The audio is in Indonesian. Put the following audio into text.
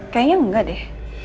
kayaknya enggak deh